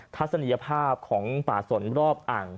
ทัศนียภาพของป่าสนรอบอ่าง